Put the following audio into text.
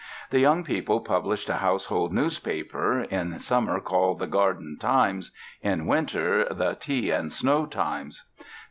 The young people published a household newspaper, in summer called the "Garden Times", in winter the "Tea and Snow Times".